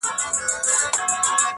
پټول به یې د ونو شاته غاړه؛